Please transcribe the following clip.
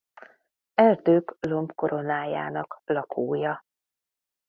Erdők lombkoronájának lakója.